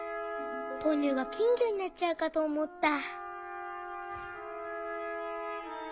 ポニョが金魚になっちゃうかと思った。